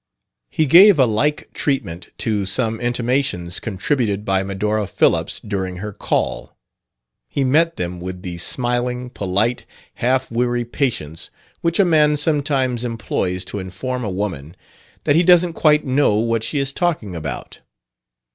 He gave a like treatment to some intimations contributed by Medora Phillips during her call: he met them with the smiling, polite, half weary patience which a man sometimes employs to inform a woman that she doesn't quite know what she is talking about.